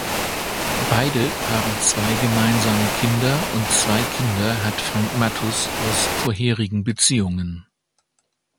Beide haben zwei gemeinsame Kinder und zwei Kinder hat Frank Matthus aus vorherigen Beziehungen.